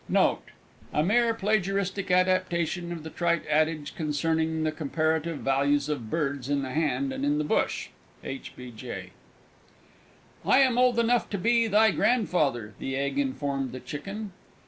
Note. A mere plagiaristic adaptation of the trite adage concerning the comparative values of birds in the hand and in the bush. H. B. J. "I am old enough to be thy Grandfather!" the Egg informed the Chicken.